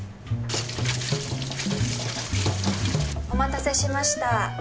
お待たせしました